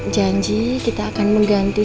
janji kita akan mengganti